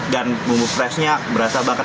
dan bumbu freshnya berasa banget